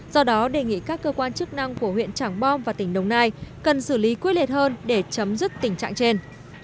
do đó đề nghị các cơ quan chức năng của huyện trảng bom và tỉnh đồng nai cần xử lý quyết liệt hơn để chấm dứt tình trạng trên